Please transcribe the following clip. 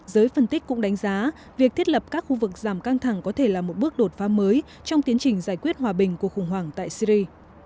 giới phân tích cũng đánh giá việc thiết lập các khu vực giảm căng thẳng có thể là một bước đột phá mới trong tiến trình giải quyết hòa bình của khủng hoảng tại syri